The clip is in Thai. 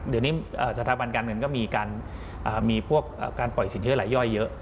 เดี๋ยวนี้สถาบันการเงินก็มีพวกการปล่อยสินเชื่อหลายย่อยเยอะ